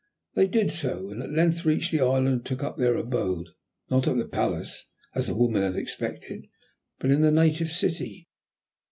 They did so, and at length reached the island and took up their abode, not at the palace, as the woman had expected, but in the native city.